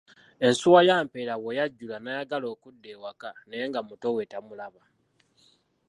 Ensuwa ya Mpeera bwe yajjula n'ayagala okudda ewaka, naye nga muto we tamulaba.